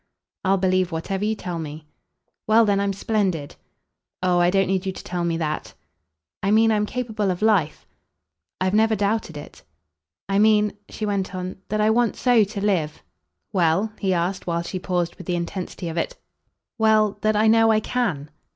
"I'll believe whatever you tell me." "Well then, I'm splendid." "Oh I don't need you to tell me that." "I mean I'm capable of life." "I've never doubted it." "I mean," she went on, "that I want so to live !" "Well?" he asked while she paused with the intensity of it. "Well, that I know I CAN."